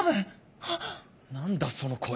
何だその声。